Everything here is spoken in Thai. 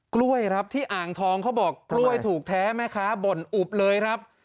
กล้วยครับที่อ่างทองเขาบอกกล้วยถูกแท้แม่ค้าบ่นอุบเลยครับ